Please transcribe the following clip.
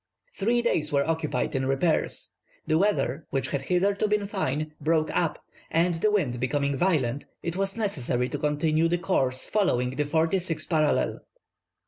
Three days were occupied in repairs. The weather, which had hitherto been fine, broke up, and, the wind becoming violent, it was necessary to continue the course following the forty sixth parallel.